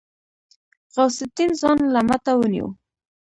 غوث الدين ځوان له مټه ونيو.